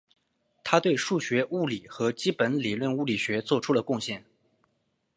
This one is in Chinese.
他对数学物理和基本理论物理学做出了贡献。